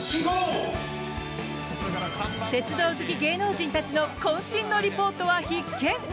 鉄道好き芸能人たちの渾身のリポートは必見！